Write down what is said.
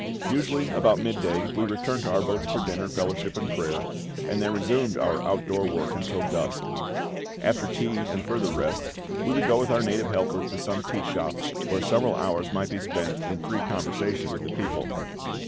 Usually about midday we returned to our boats for dinner, fellowship, and prayer, and then resumed our out door work until dusk. After tea and further rest, we would go with our native helpers to some tea shop, where several hours might be spent in free conversation with the people.